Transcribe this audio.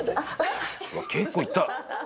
「結構いった」